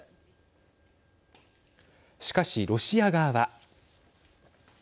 しかし、ロシア側は。